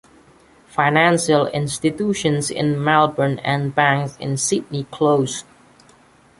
Financial institutions in Melbourne and banks in Sydney closed.